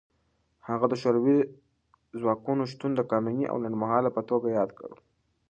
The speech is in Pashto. هغه د شوروي ځواکونو شتون د قانوني او لنډمهاله په توګه یاد کړ.